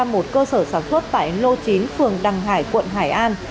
một cơ sở sản xuất tại lô chín phường đằng hải quận hải an